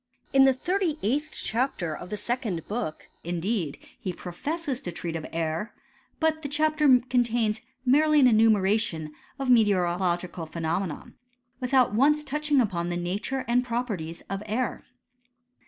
In the thirty eighth chapter of the second book, indeed, he professes to treat of air ; but the chapter contains merely an enumeration of me teorological phenomena, without once touching upon the nature and properties of air.